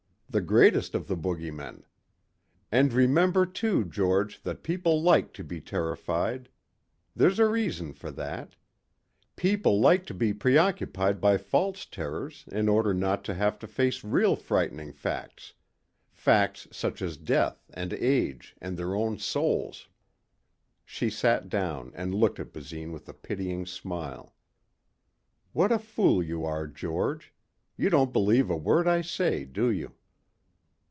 The greatest of the bogeymen. And remember too, George that people like to be terrified. There's a reason for that. People like to be preoccupied by false terrors in order not to have to face real frightening facts facts such as death and age and their own souls." She sat down and looked at Basine with a pitying smile. "What a fool you are, George. You don't believe a word I say, do you?"